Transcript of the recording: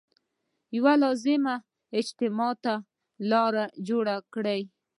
یوې لازمي اجماع ته لار جوړه کړي.